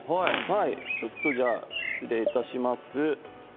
ちょっとじゃあ失礼致します。